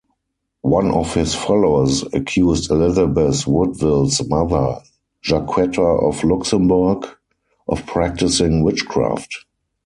One of his followers accused Elizabeth Woodville's mother, Jacquetta of Luxembourg, of practising witchcraft.